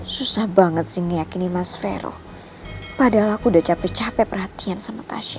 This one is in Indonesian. susah banget sih ngeyakini mas vero padahal aku udah capek capek perhatian sama tasya